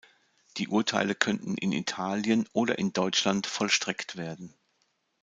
Die Urteile könnten in Italien oder in Deutschland vollstreckt werden.